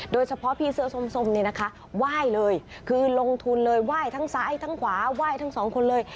โดยเฉพาะพี่เสื้อส้มเนี่ยนะคะไหว้เลยคือลงทุนเลยไหว้ทั้งซ้ายทั้งขวาไหว้ทั้งสองคนเลย